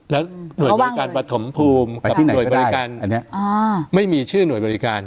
แล้วหน่วยบริการปฐมภูมิกับหน่วยบริการอันนี้ไม่มีชื่อหน่วยบริการ